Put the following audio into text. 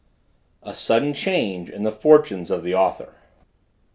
A SUDDEN CHANGE IN THE FORTUNES OF THE AUTHOR.